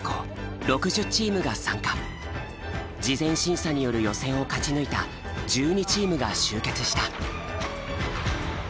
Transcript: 事前審査による予選を勝ち抜いた１２チームが集結した。